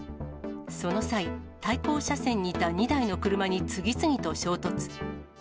その際、対向車線にいた２台の車に次々と衝突。